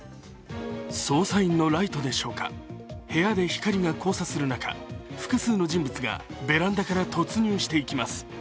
捜査員のライトでしょうか、部屋で光が交差する中、複数の人物がベランダから突入していきます。